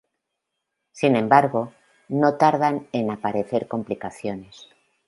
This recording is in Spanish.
Sin embargo, no tardan en aparecer complicaciones.